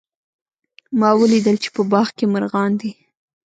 ما ولیدل چې په باغ کې مرغان دي